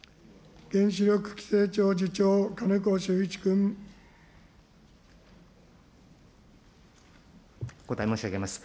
原子力規制庁次長、お答え申し上げます。